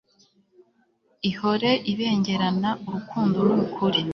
ihore ibengerana, urukundo n'ukuri